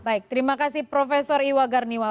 baik terima kasih prof iwa garniwa